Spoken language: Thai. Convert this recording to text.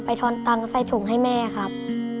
ทอนตังค์ใส่ถุงให้แม่ครับ